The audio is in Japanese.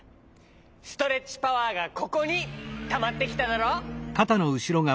ストレッチパワーがここにたまってきただろ！